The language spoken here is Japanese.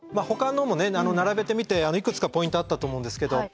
ほかのもね並べてみていくつかポイントあったと思うんですけど。